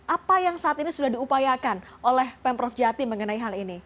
apa yang saat ini sudah diupayakan oleh pemprov jatim mengenai hal ini